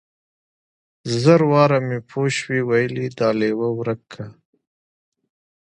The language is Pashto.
زر واره مې پوشوې ويلي دا ليوه ورک که.